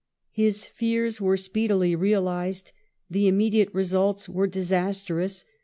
His fears were speedily realized ; the immediate results were dis astrous.